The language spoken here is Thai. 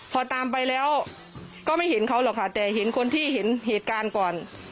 พอตามไปแล้วก็ไม่เห็นเขาหรอกค่ะแต่เห็นคนที่เห็นเหตุการณ์ก่อน